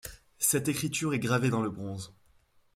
Cette écriture est gravée dans le bronze.